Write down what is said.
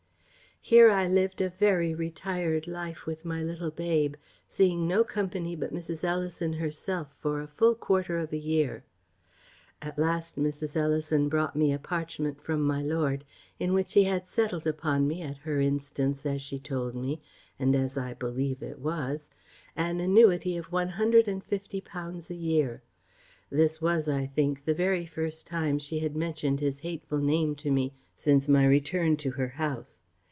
Here I lived a very retired life with my little babe, seeing no company but Mrs. Ellison herself for a full quarter of a year. At last Mrs. Ellison brought me a parchment from my lord, in which he had settled upon me, at her instance, as she told me, and as I believe it was, an annuity of one hundred and fifty pounds a year. This was, I think, the very first time she had mentioned his hateful name to me since my return to her house.